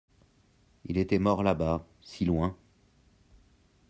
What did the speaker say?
Il était mort là-bas, si loin.